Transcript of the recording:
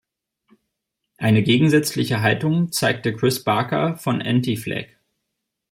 Eine gegensätzliche Haltung zeigte Chris Barker von Anti-Flag.